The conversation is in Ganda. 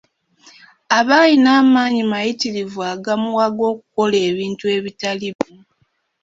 Aba alina amaanyi mayitirivu agamuwaga okukola ebintu ebitali bimu.